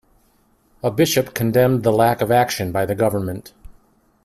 A bishop condemned the lack of action by the government.